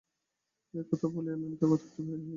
এই কথা বলিয়াই ললিতা ঘর হইতে বাহির হইয়া গেল।